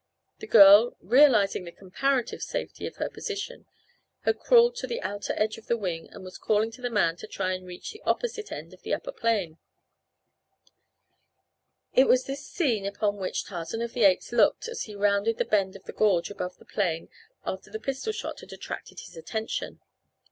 The girl, realizing the comparative safety of her position, had crawled to the outer edge of the wing and was calling to the man to try and reach the opposite end of the upper plane. It was this scene upon which Tarzan of the Apes looked as he rounded the bend of the gorge above the plane after the pistol shot had attracted his attention.